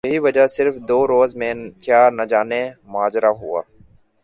یہی وجہ صرف دو روز میں کیا نجانے ماجرہ ہوا